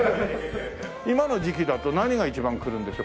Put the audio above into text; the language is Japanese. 今の時期だと何が一番来るんですか？